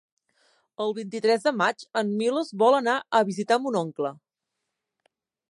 El vint-i-tres de maig en Milos vol anar a visitar mon oncle.